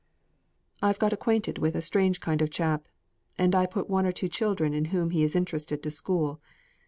"I've got acquainted with a strange kind of chap, and I put one or two children in whom he is interested to school.